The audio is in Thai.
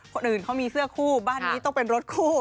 คนอื่นเขามีเสื้อคู่บ้านนี้ต้องเป็นรถคู่